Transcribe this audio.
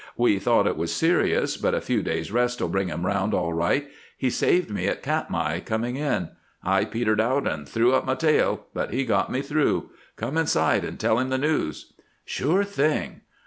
We thought it was serious, but a few days' rest 'll bring him around all right. He saved me at Katmai, coming in. I petered out and threw up my tail, but he got me through. Come inside and tell him the news." "Sure thing."